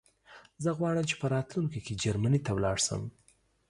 زه غواړم چې په راتلونکي کې جرمنی ته لاړ شم